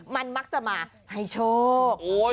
มันมักจะมาให้โชค